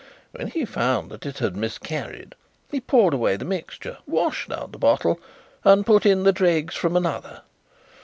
When he found that it had miscarried he poured away the mixture, washed out the bottle and put in the dregs from another.